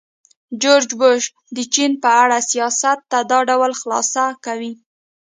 جورج بوش د چین په اړه سیاست دا ډول خلاصه کوي.